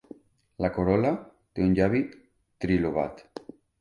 La corol·la té un llavi trilobat.